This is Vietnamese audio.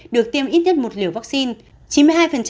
được tiêm ít nhất một liều vaccine